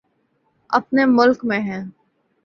اپنے ملک میں ہے۔